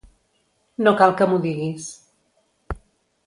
No cal que m'ho diguis.